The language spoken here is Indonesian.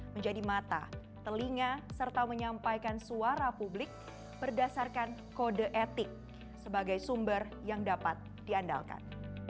menjadi mata telinga serta menyampaikan suara publik berdasarkan kode etik sebagai sumber yang dapat diandalkan